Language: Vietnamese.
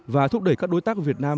và thúc đẩy các đối tác việt nam